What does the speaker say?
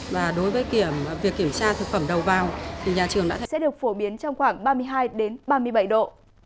và đối với việc kiểm tra thực phẩm đầu vào thì nhà trường đã thấy sẽ được phổ biến trong khoảng ba mươi hai ba mươi bảy độ